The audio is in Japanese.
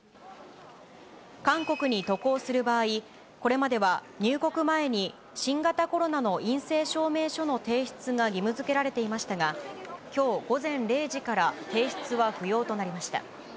韓国に渡航する場合、これまでは、入国前に新型コロナの陰性証明書の提出が義務づけられていましたが、きょう午前０時から提出は不要となりました。